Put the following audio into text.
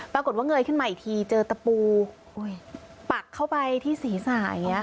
ปรากฏว่าเงยขึ้นมาอีกทีเจอตะปูปักเข้าไปที่ศีรษะอย่างนี้